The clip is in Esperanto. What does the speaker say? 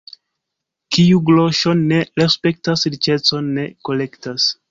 Kiu groŝon ne respektas, riĉecon ne kolektas.